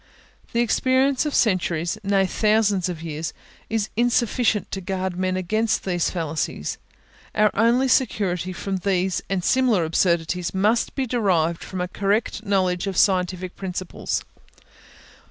The experience of centuries, nay, of thousands of years, is insufficient to guard men against these fallacies; our only security from these and similar absurdities must be derived from a correct knowledge of scientific principles.